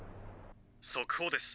「速報です。